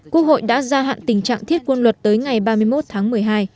quốc hội đã gia hạn tình trạng thiết quân luật tới ngày ba mươi một tháng một mươi hai